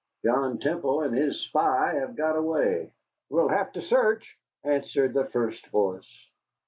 "John Temple and his spy have got away." "We'll have a search," answered the first voice.